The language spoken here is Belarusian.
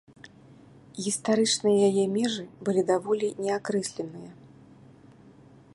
Гістарычныя яе межы былі даволі неакрэсленыя.